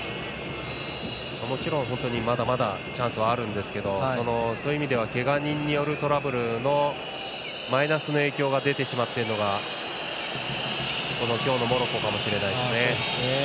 もちろん、まだまだチャンスはあるんですけどそういう意味ではけが人によるトラブルのマイナスの影響が出てしまっているのがこの今日のモロッコかもしれないですね。